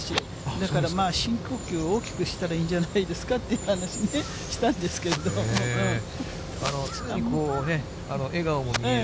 だから、まあ、深呼吸を大きくしたらいいんじゃないですかっていう話ね、したん常にこうね、笑顔も見える。